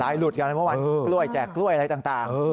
หลุดกันเมื่อวานกล้วยแจกกล้วยอะไรต่าง